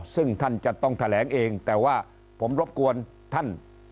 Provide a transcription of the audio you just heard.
ซึ่งท่านจะต้องแถลงเองแต่ว่าผมรบกวนท่าน